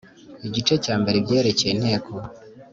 Igice cya mbere ibyerekeye inteko